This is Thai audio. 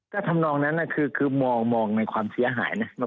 ก็ทำนองนั้นคือมองในความเสียหายนะ